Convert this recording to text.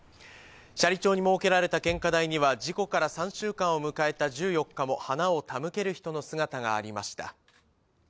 斜里町に設けられた献花台には、事故から３週間を迎えた１４日も花を手向ける人の姿がありました。